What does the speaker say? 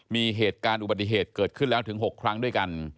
มีเหตุการณ์อุบัติเหตุเกิดขึ้นแล้วถึง๖ครั้งด้วยกัน